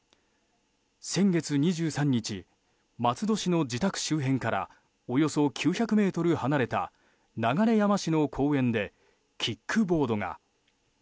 先月２３日松戸市の自宅周辺からおよそ９００ｍ離れた流山市の公園でキックボードが。